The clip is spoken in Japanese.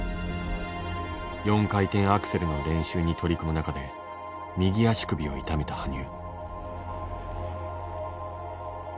４回転アクセルの練習に取り組む中で右足首を痛めた羽生。